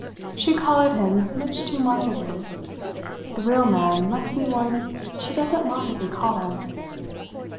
She collared him much too markedly. The real man must be one she doesn't markedly collar."